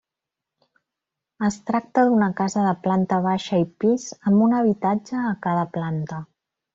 Es tracta d'una casa de planta baixa i pis amb un habitatge a cada planta.